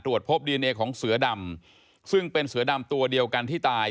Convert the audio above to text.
พบดีเอนเอของเสือดำซึ่งเป็นเสือดำตัวเดียวกันที่ตาย